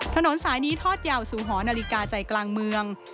ถนนสายนี้ทอดยาวสู่หอนาฬิกาใจกลางเมือง